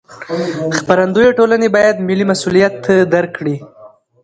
خپرندویه ټولنې باید ملي مسوولیت درک کړي.